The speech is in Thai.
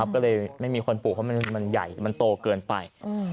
ก็เลยไม่มีคนปลูกเพราะมันใหญ่มันโตเกินไป